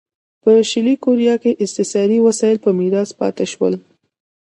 په شلي کوریا کې استثاري وسایل په میراث پاتې شول.